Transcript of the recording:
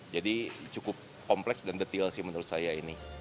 cukup kompleks dan detail sih menurut saya ini